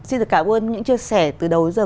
xin được cảm ơn những chia sẻ từ đầu đến giờ